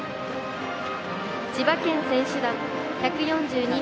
千葉県選手団、１４２名。